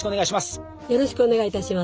よろしくお願いします！